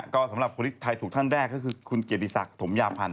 ก็สำหรับคนที่ถ่ายถูกท่านแรกก็จะคุณเกดฐิสักถมยาพันธุ์